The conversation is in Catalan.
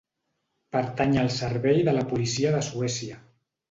Pertany al Servei de la Policia de Suècia.